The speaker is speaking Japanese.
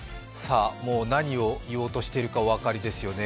何を言おうとしているかお分かりですよね。